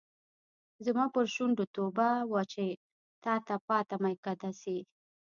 زما پر شونډو توبه وچه تاته پاته میکده سي